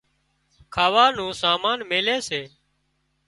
کاوا نُون سامان ميلي سي